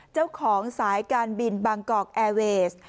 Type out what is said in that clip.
เจ้าของสายการบินบางกอกแอร์เวส